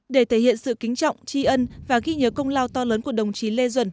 để thể hiện sự kính trọng tri ân và ghi nhớ công lao to lớn của đồng chí lê duẩn